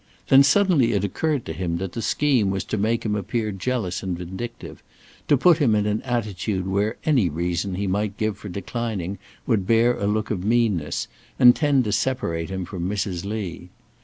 Then suddenly it occurred to him that the scheme was to make him appear jealous and vindictive; to put him in an attitude where any reason he might give for declining would bear a look of meanness, and tend to separate him from Mrs. Lee.